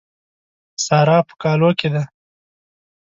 سارا په کالو کې ده.